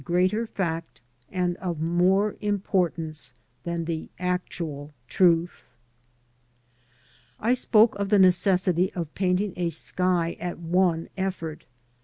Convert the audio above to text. greater fact and of more importance than the actual truth. I spoke of the necessity of painting a sky at one effort.